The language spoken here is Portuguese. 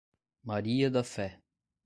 Maria da Fé